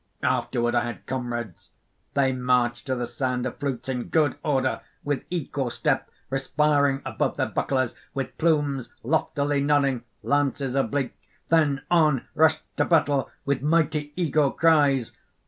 "Afterward I had comrades. They marched to the sound of flutes, in good order, with equal step, respiring above their bucklers, with plumes loftily nodding, lances oblique. Then on rushed to battle with mighty eagle cries.